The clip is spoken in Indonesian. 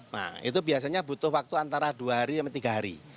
nah itu biasanya butuh waktu antara dua hari sama tiga hari